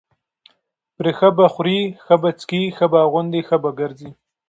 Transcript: پرې ښه به خوري، ښه به څکي ښه به اغوندي، ښه به ګرځي،